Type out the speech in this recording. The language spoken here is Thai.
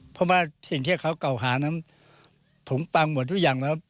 เพราะว่าสิ่งที่เขาเก่าหานั้นผมฟังหมดทุกอย่างแล้ว